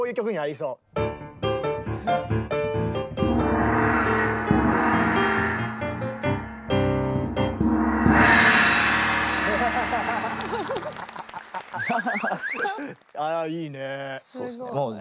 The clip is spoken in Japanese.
そうっすね。